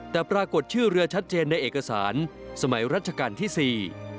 แต่ปรากฏชื่อเรือชัดเจนในเอกสารสมัยรัชกาลที่สี่